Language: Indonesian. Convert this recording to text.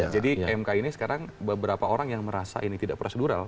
jadi mk ini sekarang beberapa orang yang merasa ini tidak prosedural